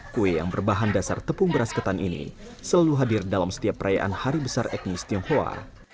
kue yang berbahan dasar tepung beras ketan ini selalu hadir dalam setiap perayaan hari besar etnis tionghoa